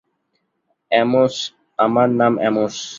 Amos, আমার নাম Amos.